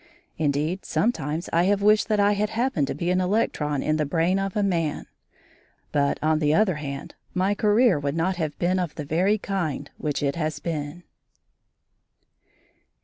Indeed, sometimes I have wished that I had happened to be an electron in the brain of a man; but, on the other hand, my career would not have been of the varied kind which it has been.